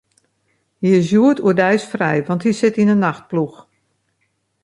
Hy is hjoed oerdeis frij, want hy sit yn 'e nachtploech.